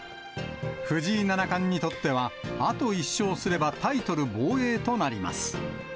藤井七冠にとっては、あと１勝すればタイトル防衛となります。